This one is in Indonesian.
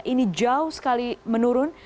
ini jauh sekali menurun